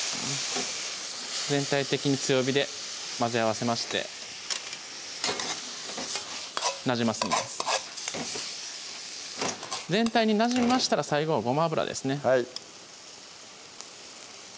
全体的に強火で混ぜ合わせましてなじませます全体になじみましたら最後はごま油ですね